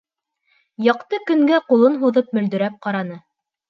Яҡты көнгә ҡулын һуҙып мөлдөрәп ҡараны.